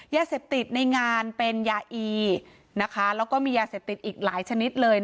ยาเสพติดในงานเป็นยาอีนะคะแล้วก็มียาเสพติดอีกหลายชนิดเลย